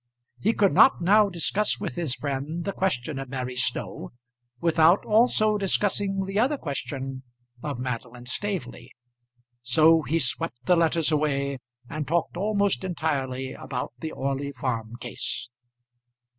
He could not now discuss with his friend the question of Mary Snow, without also discussing the other question of Madeline Staveley. So he swept the letters away, and talked almost entirely about the Orley Farm case.